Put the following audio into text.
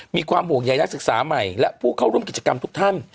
มีความห่วงใยนักศึกษาใหม่และผู้เข้าร่วมกิจกรรมทุกท่าน